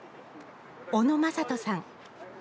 小野雅人さん。